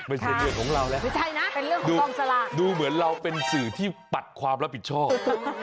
ไม่ใช่เรื่องของเราแล้วดูเหมือนเราเป็นสื่อที่ปัดความรับผิดชอบ